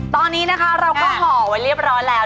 ตอนนี้นะคะเราก็ห่อไว้เรียบร้อยแล้ว